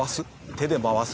手で回す？